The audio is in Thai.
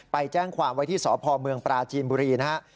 ไปแจ้งความไว้ที่สพเมืองปราจีนบุรีนะครับ